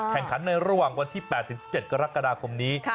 ในระหว่างวันที่๘๑๗กรกฎาคมนี้